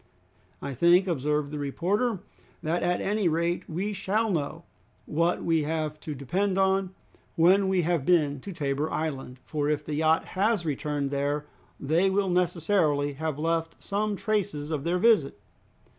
"I think," observed the reporter, "that at any rate we shall know what we have to depend on when we have been to Tabor Island, for if the yacht has returned there, they will necessarily have left some traces of their visit."